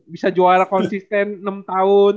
bisa juara konsisten enam tahun